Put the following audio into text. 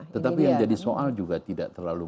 tetapi yang jadi soal juga tidak terlalu